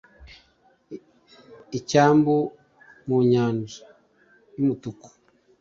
Icyambu mu Nyanja y’umutuku